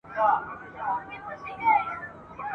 د دښمن د پوځونو شمېر لږ نه وو.